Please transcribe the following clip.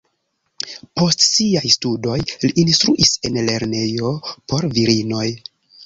Post siaj studoj li instruis en lernejo por virinoj.